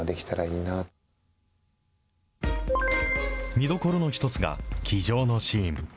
見どころの一つが、騎乗のシーン。